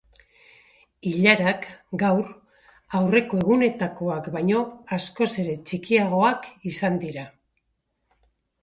Ilarak, gaur, aurreko egunetakoak baino askoz ere txikiagoak izan dira.